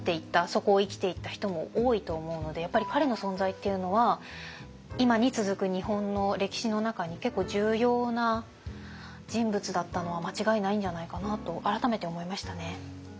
そこを生きていった人も多いと思うのでやっぱり彼の存在っていうのは今に続く日本の歴史の中に結構重要な人物だったのは間違いないんじゃないかなと改めて思いましたね。